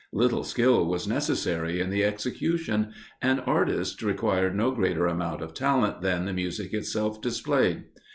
Little skill was necessary in the execution, and artists required no greater amount of talent than the music itself displayed.